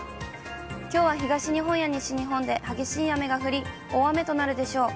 きょうは東日本や西日本で激しい雨が降り、大雨となるでしょう。